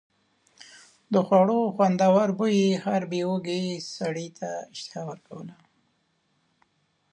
د خوړو خوندور بوی هر بې وږي سړي ته اشتها ورکوله.